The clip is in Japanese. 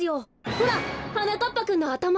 ほらはなかっぱくんのあたま。